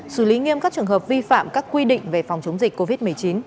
xử lý nghiêm các trường hợp vi phạm các quy định về phòng chống dịch covid một mươi chín